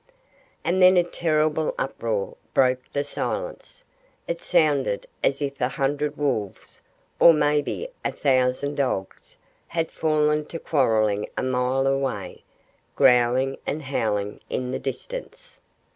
And then a terrible uproar broke the silence. It sounded as if a hundred wolves or maybe a thousand dogs had fallen to quarreling a mile away, growling and howling in the distance.